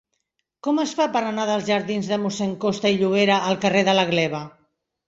Com es fa per anar de la jardins de Mossèn Costa i Llobera al carrer de la Gleva?